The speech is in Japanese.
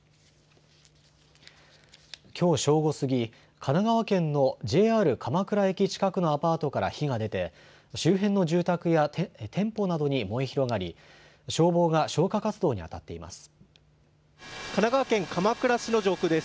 きょう正午過ぎ、神奈川県のＪＲ鎌倉駅近くのアパートから火が出て周辺の住宅や店舗などに燃え広がり消防が消火活動にあたっています。